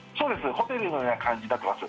ホテルのような感じになってます。